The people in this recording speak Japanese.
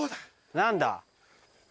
何だ？